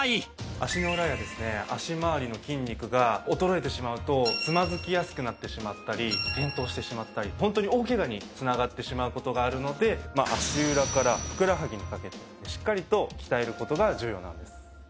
足の裏や足まわりの筋肉が衰えてしまうとつまずきやすくなってしまったり転倒してしまったりホントに大ケガに繋がってしまう事があるので足裏からふくらはぎにかけてしっかりと鍛える事が重要なんです。